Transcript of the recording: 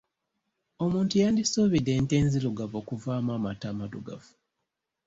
Omuntu yandisuubidde ente enzirugavu okuvaamu amata amaddugavu.